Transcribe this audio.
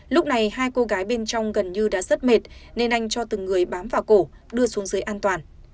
lúc này hai cô gái bên trong gần như đã rất mệt nên anh cho từng người bám vào cổ đưa xuống dưới an toàn